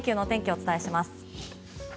お伝えします。